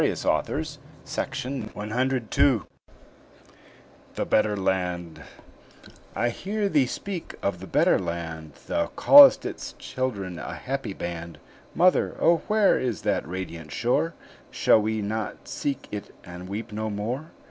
WILLIAM WORDSWORTH THE BETTER LAND "I hear thee speak of the better land; Thou call'st its children a happy band; Mother! oh, where is that radiant shore? Shall we not seek it and weep no more?